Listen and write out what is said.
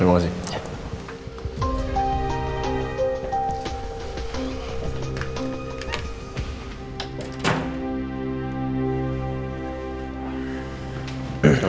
terima kasih pak